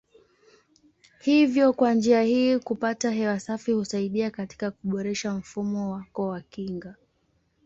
Hivyo kwa njia hii kupata hewa safi husaidia katika kuboresha mfumo wako wa kinga.